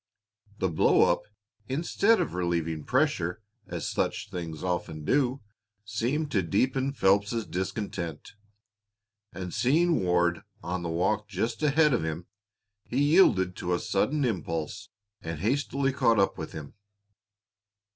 The blow up, instead of relieving pressure, as such things often do, seemed to deepen Phelps's discontent, and seeing Ward on the walk just ahead of him, he yielded to a sudden impulse and hastily caught up with him.